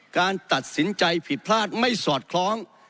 การตัดสินใจผิดพลาดไม่สอดคล้อง